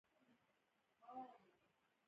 د غاښونو د خوسا کیدو مخنیوي لپاره څه وکاروم؟